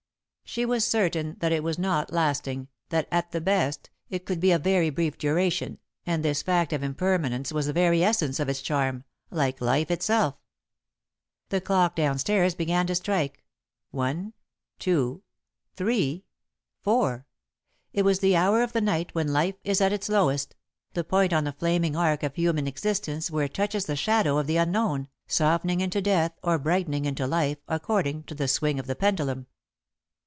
She was certain that it was not lasting, that, at the best, it could be of very brief duration, and this fact of impermanence was the very essence of its charm, like life itself. [Sidenote: Who Was the Man?] The clock down stairs began to strike one, two, three four. It was the hour of the night when life is at its lowest, the point on the flaming arc of human existence where it touches the shadow of the unknown, softening into death or brightening into life according to the swing of the pendulum.